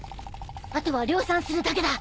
あとは量産するだけだ！